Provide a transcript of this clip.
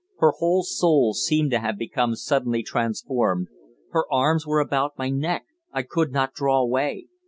Her whole soul seemed to have become suddenly transformed. Her arms were about my neck I could not draw away.